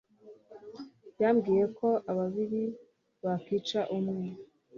yambwiye ko Ababiri bacika umwe .